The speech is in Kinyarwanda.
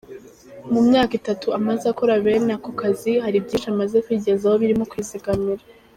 Mu myaka itatu amaze akora bene ako kazi, hari byinshi amaze kwigezaho birimo kwizigamira.